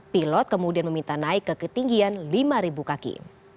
pilot kemudian meminta naik ke ketinggian lima kaki